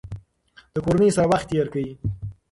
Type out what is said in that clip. د کورنۍ سره وخت تیر کړئ.